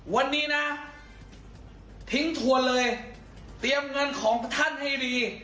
วันนี้นะทิ้งทัวร์เลยเตรียมเงินของท่านให้ดี